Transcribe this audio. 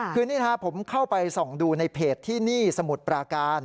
คือนี่นะครับผมเข้าไปส่องดูในเพจที่นี่สมุทรปราการ